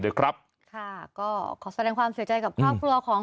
ครอบครัวมาณะที่นี้ด้วยครับค่ะก็ขอแสดงความเสียใจกับครอบครัวของ